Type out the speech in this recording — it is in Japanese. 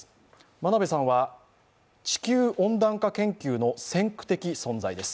真鍋さんは地球温暖化研究の先駆的存在です。